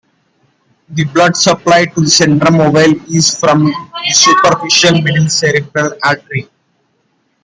The blood supply to the centrum ovale is from the superficial middle cerebral artery.